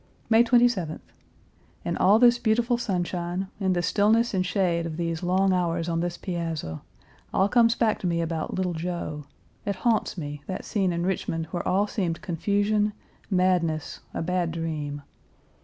May 27th. In all this beautiful sunshine, in the stillness and shade of these long hours on this piazza, all comes back to me about little Joe; it haunts me that scene in Richmond where all seemed confusion, madness, a bad dream!